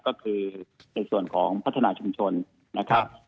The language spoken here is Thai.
ก็คือในส่วนของพัฒนาชุมชนนะครับ